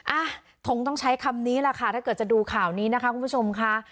อ่ะคงต้องใช้คำนี้แหละค่ะถ้าเกิดจะดูข่าวนี้นะคะคุณผู้ชมค่ะ